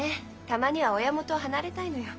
たまには親元を離れたいのよ。